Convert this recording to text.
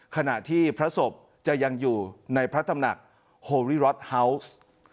ขณะที่พระศพจะยังอยู่ในพระตำหนักโฮริร็อตฮาวส์